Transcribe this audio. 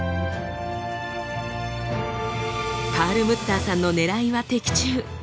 パールムッターさんのねらいは的中。